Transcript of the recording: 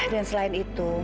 dan selain itu